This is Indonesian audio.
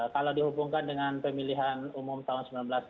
kalau dihubungkan dengan pemilihan umum tahun seribu sembilan ratus sembilan puluh